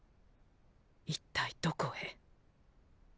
一体どこへ。